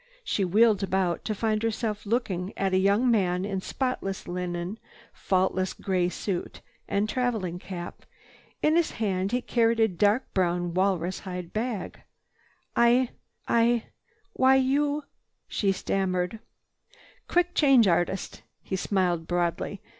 She wheeled about to find herself looking at a young man in spotless linen, faultless gray suit and traveling cap. In his hand he carried a dark brown walrus hide bag. "I—I—why you—" she stammered. "Quick change artist." He smiled broadly.